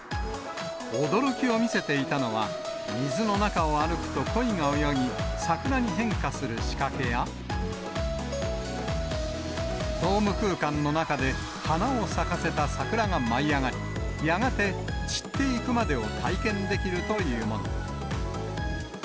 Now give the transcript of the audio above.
驚きを見せていたのは、水の中を歩くとコイが泳ぎ、桜に変化する仕掛けや、ドーム空間の中で花を咲かせた桜が舞い上がり、やがて散っていくまでを体験できるというもの。